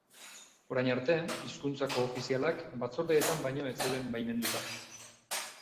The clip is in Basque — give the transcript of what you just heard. Orain arte, hizkuntza koofizialak batzordeetan baino ez zeuden baimenduta.